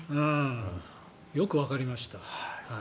よくわかりました。